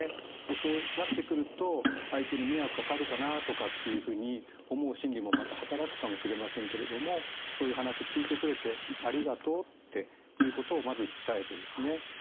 そうなってくると相手に迷惑かかるかなとかっていうふうに思う心理もまた働くかもしれませんけれどもそういう話聞いてくれてありがとうっていうことをまず伝えてですね